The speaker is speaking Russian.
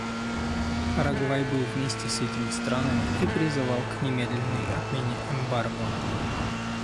Парагвай был вместе с этими странами и призывал к немедленной отмене эмбарго.